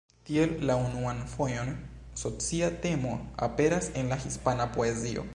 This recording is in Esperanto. Tiel la unuan fojon socia temo aperas en la hispana poezio.